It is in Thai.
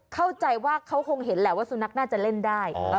เข้าใจว่าเขาคงเห็นแหละว่าสุนัขน่าจะเล่นได้